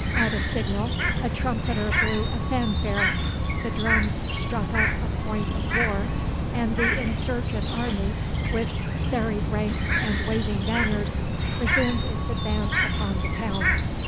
At a signal a trumpeter blew a fanfare, the drums struck up a point of war, and the insurgent army, with serried ranks and waving banners, resumed its advance upon the town.